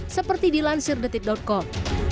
seperti dilansir detik com